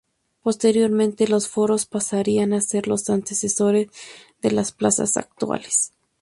Posteriormente los foros pasarían a ser los antecesores de las plazas actuales.